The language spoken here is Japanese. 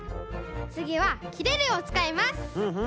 つぎは「きれる」をつかいます。